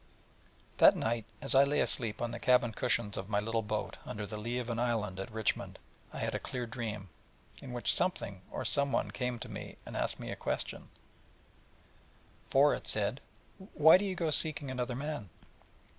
That night, as I lay asleep on the cabin cushions of my little boat under the lee of an island at Richmond, I had a clear dream, in which something, or someone, came to me, and asked me a question: for it said: 'Why do you go seeking another man?